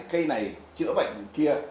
cây này chữa bệnh kia